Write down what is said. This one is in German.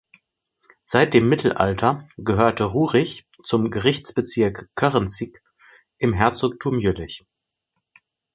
Seit dem Mittelalter gehörte Rurich zum Gerichtsbezirk Körrenzig im Herzogtum Jülich.